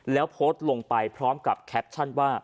แล้วโพสต์ลงไปพร้อมกับแคปชั่นว่า